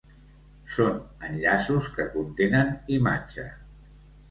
Són enllaços que contenen imatge.